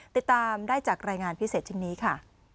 ติดตามได้จากรายงานพิเศษชิ้นนี้ค่ะ